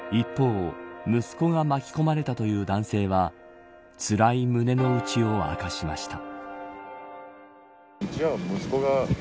一方、息子が巻き込まれたという男性はつらい胸の内を明かしました。